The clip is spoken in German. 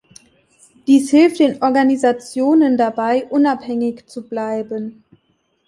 Dies hilft den Organisationen dabei, unabhängig zu bleiben.